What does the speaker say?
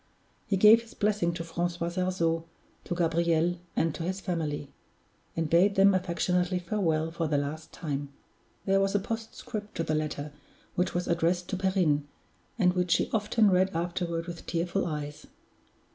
He gave his blessing to Francois Sarzeau, to Gabriel, and to his family; and bade them affectionately farewell for the last time. There was a postscript to the letter, which was addressed to Perrine, and which she often read afterward with tearful eyes.